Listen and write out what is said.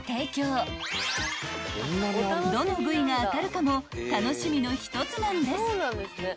［どの部位が当たるかも楽しみの一つなんです］